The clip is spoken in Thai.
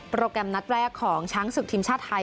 แกรมนัดแรกของช้างศึกทีมชาติไทย